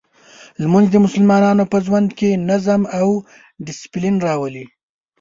لمونځ د مسلمان په ژوند کې نظم او دسپلین راولي.